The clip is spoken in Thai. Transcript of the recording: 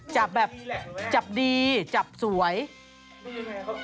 จับแบบจับดีจับสวยนะพี่มาสนึกว่าพี่ตูนดีแหละหรือเปล่า